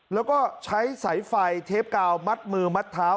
แล้วก็ใช้สายไฟเทปกาวมัดมือมัดเท้า